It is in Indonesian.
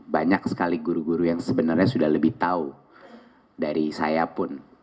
banyak sekali guru guru yang sebenarnya sudah lebih tahu dari saya pun